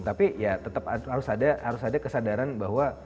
tapi ya tetap harus ada kesadaran bahwa